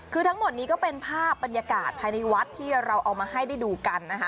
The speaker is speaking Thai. คือทั้งหมดนี้ก็เป็นภาพบรรยากาศภายในวัดที่เราเอามาให้ได้ดูกันนะคะ